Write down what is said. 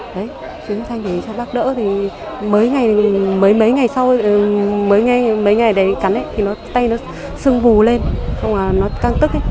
đấy chuyển huyết thanh để cho bác đỡ thì mấy ngày đấy cắn ấy thì tay nó sưng vù lên xong rồi nó căng tức ấy